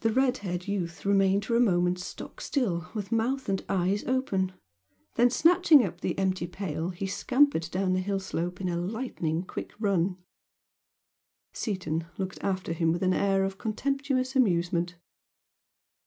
The red haired youth remained for a moment stock still with mouth and eyes open, then, snatching up the empty milk pail he scampered down the hill slope at a lightning quick run. Seaton looked after him with an air of contemptuous amusement.